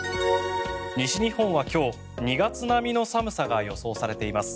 西日本は今日２月並みの寒さが予想されています。